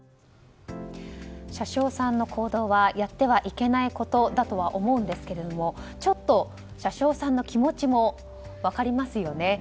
車掌さんの行動はやってはいけないことだとは思うんですけれどもちょっと車掌さんの気持ちも分かりますよね。